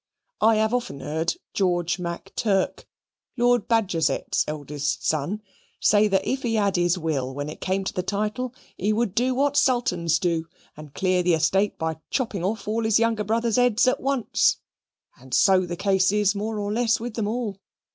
I have often heard George Mac Turk, Lord Bajazet's eldest son, say that if he had his will when he came to the title, he would do what the sultans do, and clear the estate by chopping off all his younger brothers' heads at once; and so the case is, more or less, with them all.